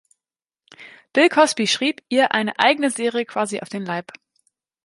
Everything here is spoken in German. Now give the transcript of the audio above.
Bill Cosby schrieb ihr eine eigene Serie quasi auf den Leib.